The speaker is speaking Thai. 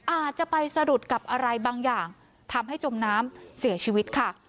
อาจจะไปสะดุดกับอะไรบางอย่างทำให้จมน้ำเสียชีวิตค่ะ